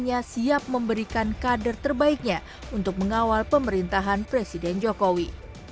hanya siap memberikan kader terbaiknya untuk mengawal pemerintahan presiden jokowi